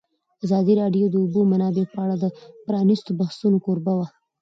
ازادي راډیو د د اوبو منابع په اړه د پرانیستو بحثونو کوربه وه.